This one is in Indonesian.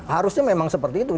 harusnya memang seperti itu